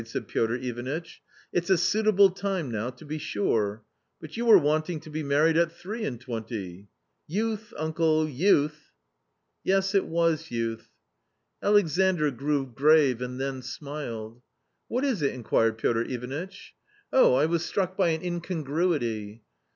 said Piotr Ivanitch : (t it's a suitable time now, to be sure ! But you were wanting to be married at three and twenty." " Youth, uncle, youth !">.»\ 278 A COMMON STORY " Yes, it was youth." Alexandr grew grave and then smiled. " What is it ?" inquired Piotr Ivanitch. •'Oh, I was struck by an incongruity."